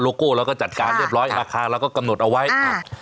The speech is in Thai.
โก้เราก็จัดการเรียบร้อยราคาเราก็กำหนดเอาไว้ครับ